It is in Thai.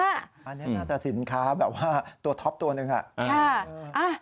อันนี้น่าจะสินค้าแบบว่าตัวท็อปตัวหนึ่งอะ